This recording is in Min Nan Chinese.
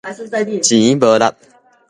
錢無力